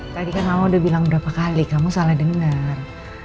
tadi kan mama udah bilang berapa kali kamu salah dengar